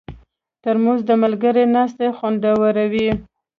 ترموز د ملګرو ناستې خوندوروي.